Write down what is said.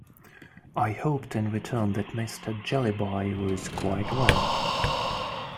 I hoped in return that Mr. Jellyby was quite well.